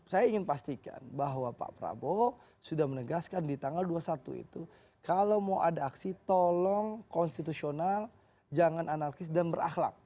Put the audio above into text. saya ingin pastikan bahwa pak prabowo sudah menegaskan di tanggal dua puluh satu itu kalau mau ada aksi tolong konstitusional jangan anarkis dan berakhlak